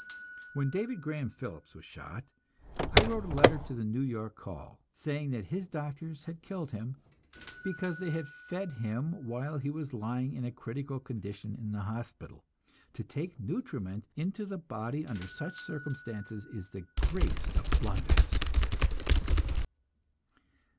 When David Graham Phillips was shot, I wrote a letter to the New York Call, saying that his doctors had killed him, because they had fed him while he was lying in a critical condition in the hospital. To take nutriment into the body under such circumstances is the greatest of blunders.